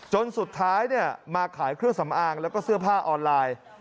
จนสุดท้ายมาขายเครื่องสำอางแล้วก็เสื้อผ้าออนไลน์